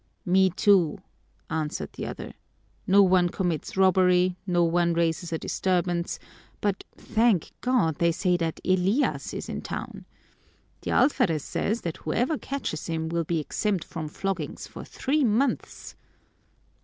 "Me, too," answered the other. "No one commits robbery, no one raises a disturbance, but, thank God, they say that Elias is in town. The alferez says that whoever catches him will be exempt from floggings for three months."